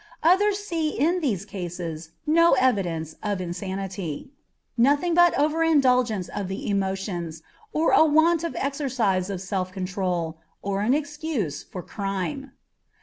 Others see in these cases no evidence of insanity; nothing but over indulgence of the emotions, or a want of exercise of self control, or an excuse for crime.